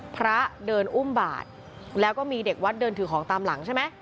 พระเดินอุ้มบาทแล้วก็มีเด็กวัดเดินถือของตามหลังใช่ไหม